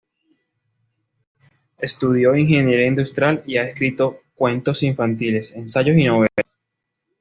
Estudió ingeniería industrial y ha escrito cuentos infantiles, ensayos y novelas.